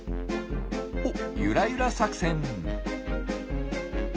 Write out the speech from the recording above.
おっゆらゆら作戦。